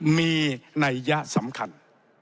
มีนัยยะสำคัญ